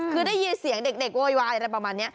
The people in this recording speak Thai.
คือได้ยินเสียงเด็กโวยวายอะไรประมาณนี้